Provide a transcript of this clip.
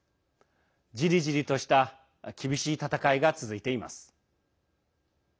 じりじりとした厳しい戦いが続いています。